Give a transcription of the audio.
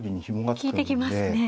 利いてきますね。